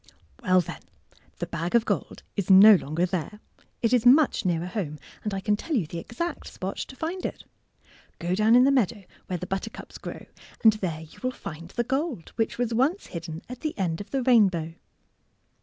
Well, then, the bag of gold is no longer there. It is much nearer home, and I can tell you the exact spot to find it! Go down in the meadow where the buttercups grow, and there you will find the gold which was once hidden at the end of the rainbow.